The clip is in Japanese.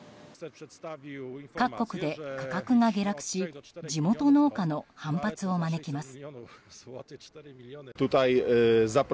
各国で価格が下落し地元農家の反発を招きます。